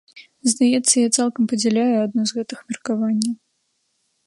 Здаецца, я цалкам падзяляю адно з гэтых меркаванняў.